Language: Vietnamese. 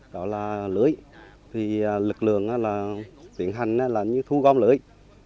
đó là lưới lực lượng tiến hành như thu gom lưới